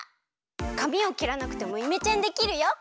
かみをきらなくてもイメチェンできるよ。